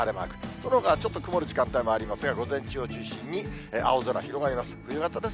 そのほか、ちょっと曇る時間帯もありますが、午前中を中心に青空が広がります。